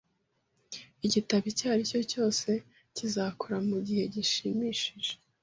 Igitabo icyo aricyo cyose kizakora mugihe gishimishije.